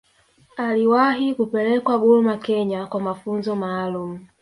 Aliwahi kupelekwa Burma Kenya kwa mafunzo maalumu